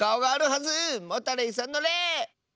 モタレイさんの「レ」！